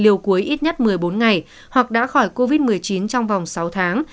liều cuối ít nhất một mươi bốn ngày hoặc đã khỏi covid một mươi chín trong vòng sáu tháng